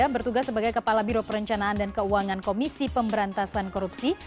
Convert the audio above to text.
bertugas sebagai kepala biro perencanaan dan keuangan komisi pemberantasan korupsi